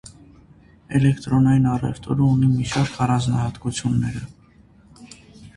Էլեկտրոնային առևտուրը ունի մի շարք առանձնահատկությունները։